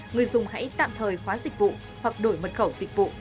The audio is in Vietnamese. người dùng hãy tạm thời khóa dịch vụ hoặc đổi mật khẩu dịch vụ